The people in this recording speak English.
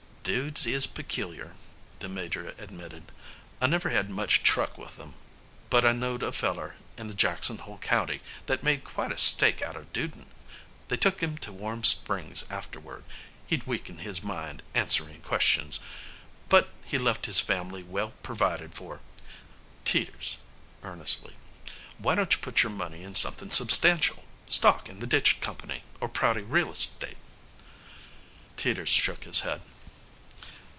"Dudes is peculiar," the Major admitted. "I never had much truck with 'em, but I knowed a feller in the Jackson Hole County that made quite a stake out of dudin'. They took him to Warm Springs afterward he'd weakened his mind answerin' questions but he left his family well pervided for. Teeters," earnestly, "why don't you put your money in somethin' substantial stock in the Ditch Company, or Prouty real estate?" Teeters shook his head.